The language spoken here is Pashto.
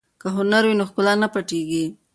که هنر وي نو ښکلا نه پټیږي.